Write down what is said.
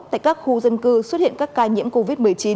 tại các khu dân cư xuất hiện các ca nhiễm covid một mươi chín